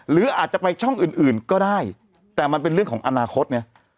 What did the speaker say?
หรืออาจจะไปช่องอื่นก็ได้แต่มันเป็นเรื่องของอนาคตไง